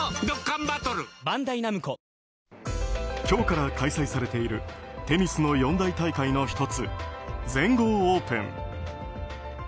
今日から開催されているテニスの四大大会の１つ全豪オープン。